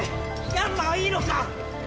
ヤンマはいいのか！？